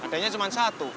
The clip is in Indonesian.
adanya cuma satu